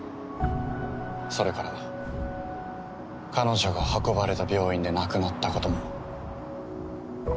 それから彼女が運ばれた病院で亡くなったことも。